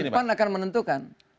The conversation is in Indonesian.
pemimpin pan akan menentukan